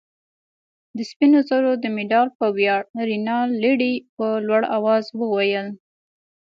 د سپینو زرو د مډال په ویاړ. رینالډي په لوړ آواز وویل.